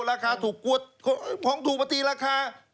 ราคาถูกกลัวของถูกมาตีราคา